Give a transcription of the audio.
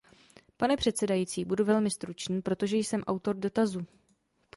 Pane předsedající, budu velmi stručný, protože jsem autor dotazu.